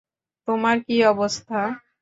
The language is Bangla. তোমার কী অবস্থা?